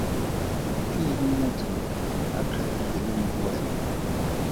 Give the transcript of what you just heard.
Ke eng motho yo a kgethegile mo go wena?